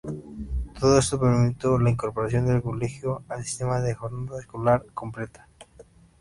Todo eso permitió la incorporación del colegio al sistema de Jornada escolar completa.